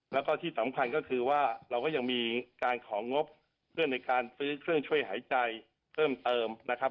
แล้วก็ที่สำคัญก็คือว่าเราก็ยังมีการของงบเพื่อในการซื้อเครื่องช่วยหายใจเพิ่มเติมนะครับ